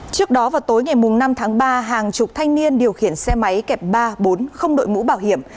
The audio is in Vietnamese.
trước đó vào tối ngày năm tháng ba hàng chục thanh niên điều khiển xe máy kẹp ba bốn không đội mũ bảo hiểm